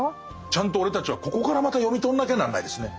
ちゃんと俺たちはここからまた読み取んなきゃなんないですね。